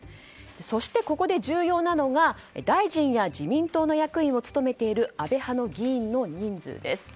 そしてここで重要なのが大臣や自民党の役員を務めている安倍派の議員の人数です。